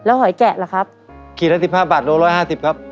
หอยแกะล่ะครับขีดละสิบห้าบาทโลร้อยห้าสิบครับ